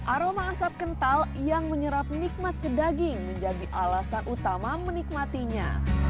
aroma asap kental yang menyerap nikmat ke daging menjadi alasan utama menikmatinya